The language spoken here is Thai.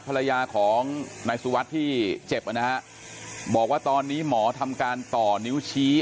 ภรรยาของนายสุวัสดิ์ที่เจ็บนะฮะบอกว่าตอนนี้หมอทำการต่อนิ้วชี้